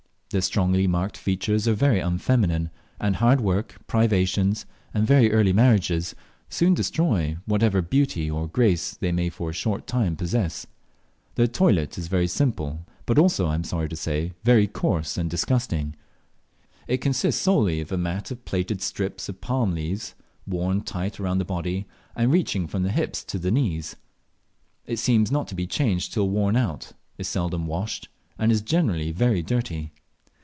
Their strongly marked features are very unfeminine, and hard work, privations, and very early marriages soon destroy whatever of beauty or grace they may for a short time possess. Their toilet is very simple, but also, I am sorry to say, very coarse, and disgusting. It consists solely of a mat of plaited strips of palm leaves, worn tight round the body, and reaching from the hips to the knees. It seems not to be changed till worn out, is seldom washed, and is generally very dirty.